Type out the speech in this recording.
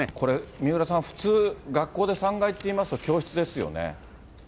三浦さん、普通、学校で３階っていいますと、教室ですよね。